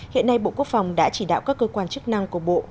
hiện nay bộ quốc phòng đã chỉ đạo các cơ quan chức năng của bộ